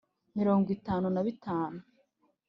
mirongo itanu na bitanu